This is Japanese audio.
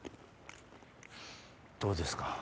どうですか？